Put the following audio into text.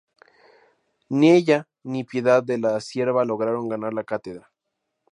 Ni ella ni Piedad de la Cierva lograron ganar la cátedra.